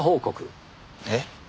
えっ？